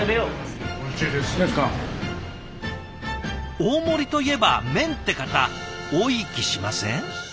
大盛りといえば麺って方多い気しません？